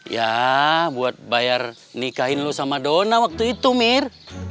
ya buat bayar nikahin lu sama dona waktu itu mir